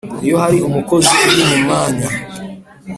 iyo hari umukozi uri mu mwanya